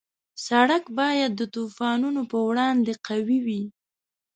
سړک باید د طوفانونو په وړاندې قوي وي.